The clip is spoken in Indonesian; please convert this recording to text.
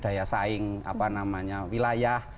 daya saing apa namanya wilayah